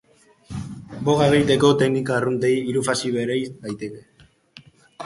Boga egiteko teknika arruntean hiru fase bereiz daitezke.